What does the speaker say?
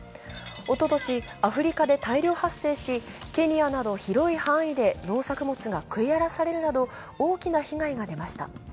おととし、アフリカで大量発生しケニアなど広い範囲で農作物が食い荒らされるなど大きな被害が出ました。